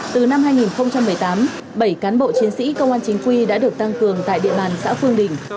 từ năm hai nghìn một mươi tám bảy cán bộ chiến sĩ công an chính quy đã được tăng cường tại địa bàn xã phương đình